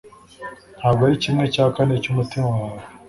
Ntabwo ari kimwe cya kane cyumutima wawe